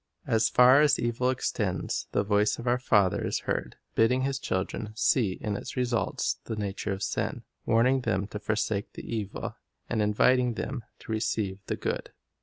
As far as evil extends, the voice of our Father is heard, bidding His children see in its results the nature of sin, warning them to forsake the evil, and inviting them to receive the good.